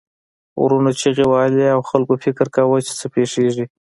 غرونو چیغې وهلې او خلک فکر کاوه چې څه پیښیږي.